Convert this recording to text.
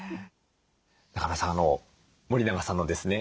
中山さん森永さんのですね